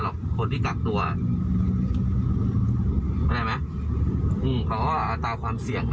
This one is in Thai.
เวลาคนที่กักตัวอ่าได้ไหมอืมเขาอ่าอัตราความเสี่ยง